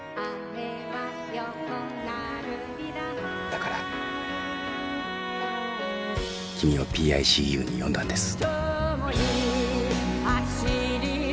だから君をＰＩＣＵに呼んだんです。